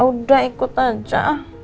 udah ikut aja